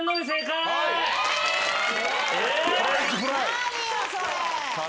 何よそれ。